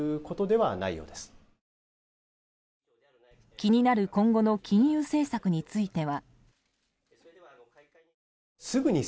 気になる今後の金融政策については。